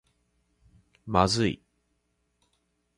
まずい